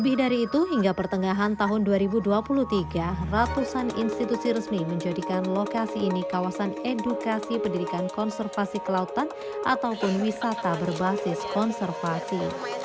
lebih dari itu hingga pertengahan tahun dua ribu dua puluh tiga ratusan institusi resmi menjadikan lokasi ini kawasan edukasi pendidikan konservasi kelautan ataupun wisata berbasis konservasi